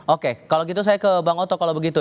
oke kalau gitu saya ke bang oto kalau begitu